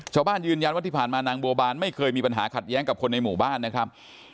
ชาวบ้านยืนยันว่าที่ผ่านมานางบัวบานไม่เคยมีปัญหาขัดแย้งกับคนในหมู่บ้านนะครับ